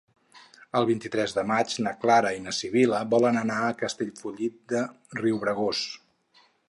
El vint-i-tres de maig na Clara i na Sibil·la volen anar a Castellfollit de Riubregós.